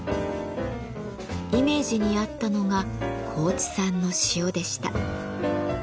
イメージに合ったのが高知産の塩でした。